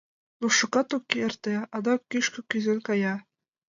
Но шукат ок эрте — адак кӱшкӧ кӱзен кая.